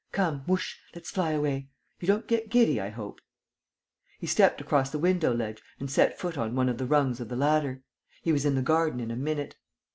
Come, whoosh, let's fly away! You don't get giddy, I hope?" He stepped across the window ledge and set foot on one of the rungs of the ladder. He was in the garden in a minute.